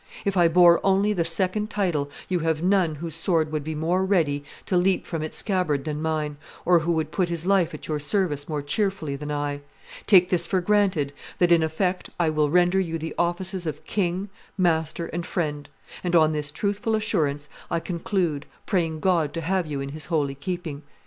If I bore only the second title, you have none whose sword would be more ready to leap from its scabbard than mine, or who would put his life at your service more cheerfully than I. Take this for granted, that, in effect, I will render you the offices of king, master, and friend. And on this truthful assurance, I conclude, praying God to have you in His holy keeping."